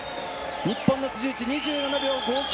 日本の辻内、２７秒５９！